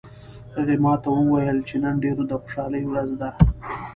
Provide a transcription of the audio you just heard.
هغې ما ته وویل چې نن ډیره د خوشحالي ورځ ده